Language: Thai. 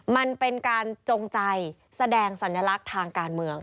มันเป็นการจงใจแสดงสัญลักษณ์ทางการเมือง